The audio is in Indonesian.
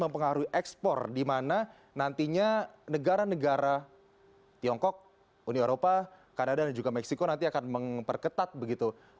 mempengaruhi ekspor di mana nantinya negara negara tiongkok uni eropa kanada dan juga meksiko nanti akan memperketat begitu